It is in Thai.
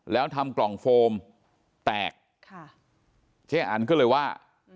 แล้วทำกล่องโฟมแตกค่ะเจ๊อันก็เลยว่า